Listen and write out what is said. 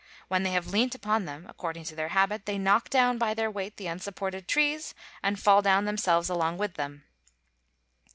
When they have leant upon them, according to their habit, they knock down by their weight the unsupported trees, and fall down themselves along with them.